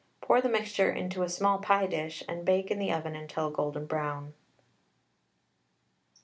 Pour the mixture into a small pie dish, and bake in the oven until golden brown. No.